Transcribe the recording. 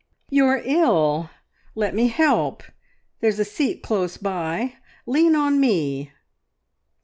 "You're ill. ... Let me help! There's a seat close by. ... Lean on me!"